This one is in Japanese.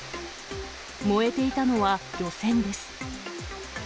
燃えていたのは、漁船です。